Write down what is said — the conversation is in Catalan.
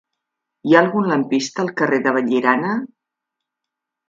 Hi ha algun lampista al carrer de Vallirana?